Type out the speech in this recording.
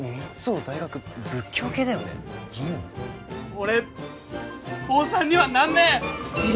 俺坊さんにはなんねえ！